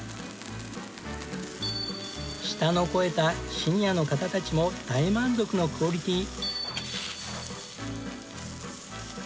舌の肥えたシニアの方たちも大満足のクオリティー。